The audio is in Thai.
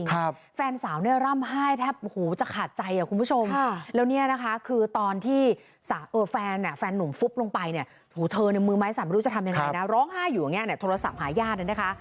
เธอในมือไม้สั่นไม่รู้จะทำยังไงนะร้องไห้อยู่อย่างนี้โทรศัพท์หาย่านนั้นนะคะ